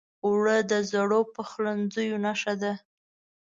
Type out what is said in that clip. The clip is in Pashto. اوړه د زړو پخلنځیو نښه ده